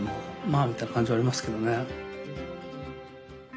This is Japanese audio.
まあみたいな感じはありますけどね。